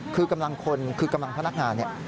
คือกำลังคนคือกำลังพนักงานเนี่ย